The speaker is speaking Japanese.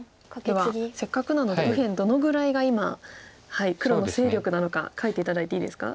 ではせっかくなので右辺どのぐらいが今黒の勢力なのか描いて頂いていいですか？